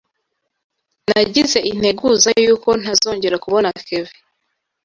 Nagize integuza yuko ntazongera kubona Kevin.